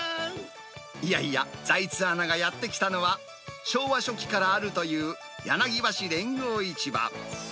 いやいや、財津アナがやって来たのは、昭和初期からあるという柳橋連合市場。